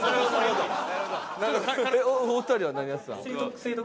お２人は何やってた？